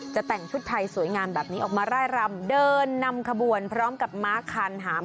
แต่งชุดไทยสวยงามแบบนี้ออกมาร่ายรำเดินนำขบวนพร้อมกับม้าคานหาม